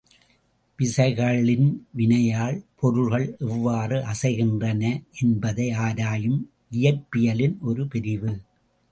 விசைகளின் வினையால் பொருள்கள் எவ்வாறு அசைகின்றன என்பதை ஆராயும் இயற்பியலின் ஒரு பிரிவு.